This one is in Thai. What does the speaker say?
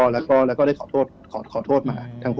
แล้วก็แล้วก็ได้ขอโทษผ่าน